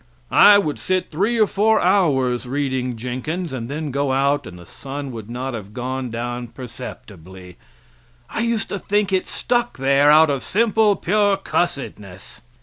I would sit three or four hours reading Jenkins, and then go out and the sun would not have gone down perceptibly. I used to think it stuck there out of simple, pure cussedness.